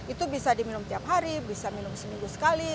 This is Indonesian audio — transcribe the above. itu bisa diminum tiap hari bisa minum seminggu sekali